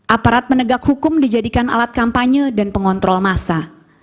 aparat penegak hukum dijadikan alat kampanye dan pengontrol masa